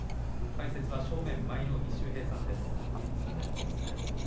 解説は正面、舞の海秀平さんです。